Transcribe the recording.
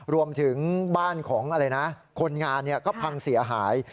รวมถึงบ้านของอะไรนะคนงานก็พังเสียหาย